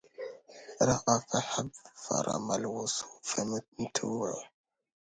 رأى فحب فرام الوصل فامتنعوا